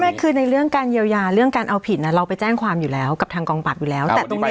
ไม่คือในเรื่องการเยียวยาเรื่องการเอาผิดเราไปแจ้งความอยู่แล้วกับทางกองปรับอยู่แล้วแต่ตรงนี้